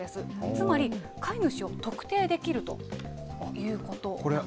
つまり、飼い主を特定できるということなんですね。